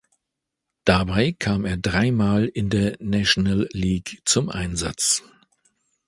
Dabei kam er dreimal in der National League zum Einsatz.